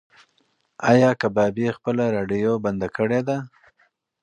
ایا کبابي خپله راډیو بنده کړې ده؟